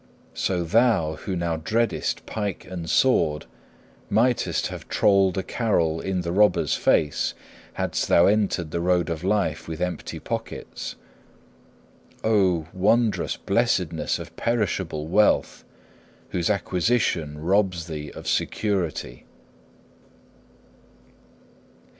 So thou, who now dreadest pike and sword, mightest have trolled a carol "in the robber's face," hadst thou entered the road of life with empty pockets. Oh, wondrous blessedness of perishable wealth, whose acquisition robs thee of security!'